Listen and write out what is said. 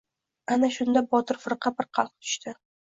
Ana shunda Botir firqa bir qalqib tushdi.